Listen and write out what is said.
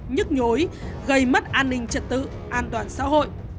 nhức nhối gây mất an ninh trật tự an toàn xã hội